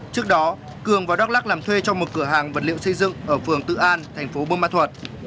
trước đó cường vào đắk lắc làm thuê cho một cửa hàng vật liệu xây dựng ở phường tự an thành phố bumma thuật